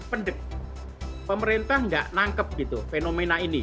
menurut saya pemerintah nggak nangkep fenomena ini